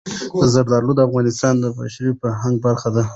زردالو د افغانستان د بشري فرهنګ برخه ده.